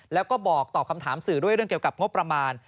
แล้วก็บอกตอบคำถามสื่อด้วยเรื่องเกี่ยวกับงบประมาณ